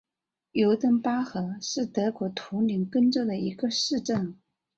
尤登巴赫是德国图林根州的一个市镇。